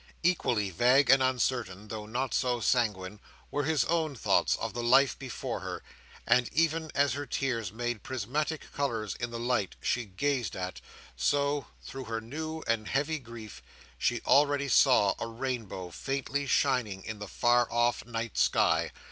Equally vague and uncertain, though not so sanguine, were her own thoughts of the life before her; and even as her tears made prismatic colours in the light she gazed at, so, through her new and heavy grief, she already saw a rainbow faintly shining in the far off sky.